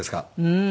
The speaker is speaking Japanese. うん。